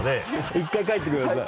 １回帰ってください。